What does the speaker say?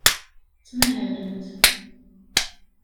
Ttmahalent.